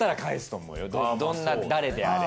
どんな誰であれ。